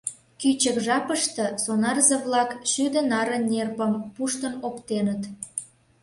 Кӱчык жапыште сонарзе-влак шӱдӧ наре нерпым пуштын оптеныт.